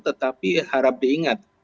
tetapi harap diingat